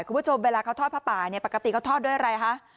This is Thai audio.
คุณผู้ชมเวลาเขาทอดผ้าป่าเนี่ยปกติเขาทอดด้วยอะไรคะ